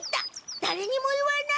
だれにも言わない。